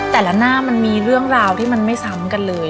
แต่ละหน้ามันมีเรื่องราวที่มันไม่ซ้ำกันเลย